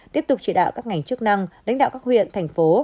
tiếp tục chỉ đạo các ngành chức năng lãnh đạo các huyện thành phố